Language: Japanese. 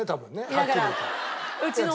はっきり言うと。